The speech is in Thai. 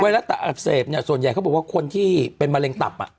ตับอักเสบเนี่ยส่วนใหญ่เขาบอกว่าคนที่เป็นมะเร็งตับ